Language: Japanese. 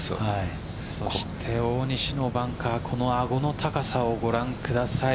そして大西のバンカーアゴの高さをご覧ください。